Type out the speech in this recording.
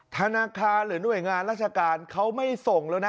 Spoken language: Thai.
ธนาคารหรือหน่วยงานราชการเขาไม่ส่งแล้วนะ